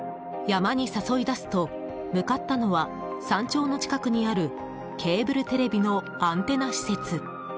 山に誘い出すと、向かったのは山頂の近くにあるケーブルテレビのアンテナ施設。